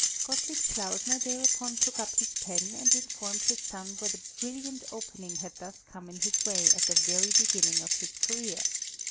Gottlieb Klausner thereupon took up his pen and informed his son what a brilliant opening had thus come in his way at the very beginning of his career.